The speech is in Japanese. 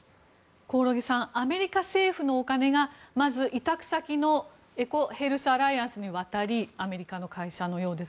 興梠さんアメリカ政府のお金がまず、委託先のエコヘルスアライアンスに渡りアメリカの会社のようです。